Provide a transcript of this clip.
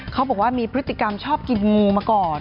เขาบอกว่ามีพฤติกรรมชอบกินงูมาก่อน